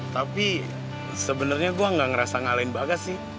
tapi sebenernya gua gak ngerasa ngalahin bagas sih